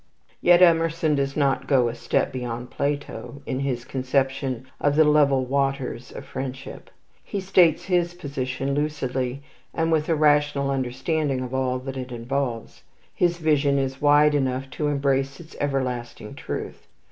Yet Emerson does not go a step beyond Plato in his conception of the "level waters" of friendship. He states his position lucidly, and with a rational understanding of all that it involves. His vision is wide enough to embrace its everlasting truth.